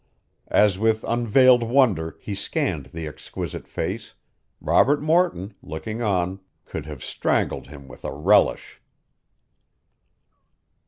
As with unveiled wonder he scanned the exquisite face, Robert Morton, looking on, could have strangled him with a relish.